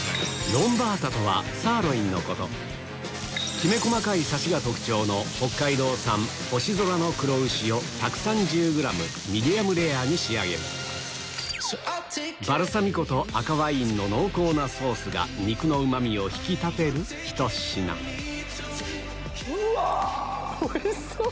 きめ細かいサシが特徴の北海道産星空の黒牛を１３０ｇミディアムレアに仕上げるバルサミコと赤ワインの濃厚なソースが肉のうまみを引き立てるひと品うわおいしそう！